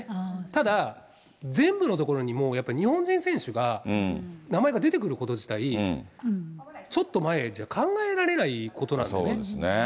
ただ、全部のところにもう、やっぱり日本人選手が、名前が出てくること自体、ちょっと前じゃ考えられないことなんですよね。